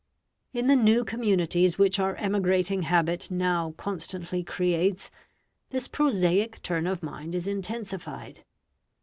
In the new communities which our emigrating habit now constantly creates, this prosaic turn of mind is intensified.